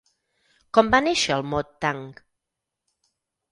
Com va néixer el mot tanc?